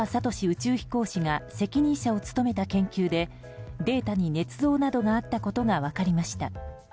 宇宙飛行士が責任者を務めた研究でデータに、ねつ造などがあったことが分かりました。